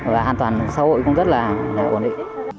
và an toàn xã hội cũng rất là ổn định